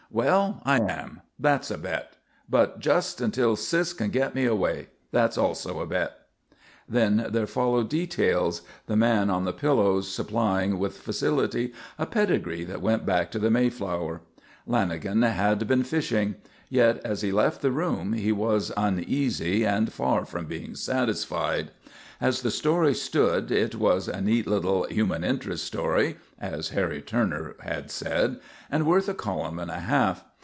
"Well, I am. That's a bet. But just until Sis can get me away; that's also a bet." Then there followed details, the man on the pillows supplying with facility a pedigree that went back to the Mayflower. Lanagan had been fishing; yet as he left the room he was uneasy and far from being satisfied. As the story stood it was a neat little "human interest" story as Harry Turner had said and worth a column and a half.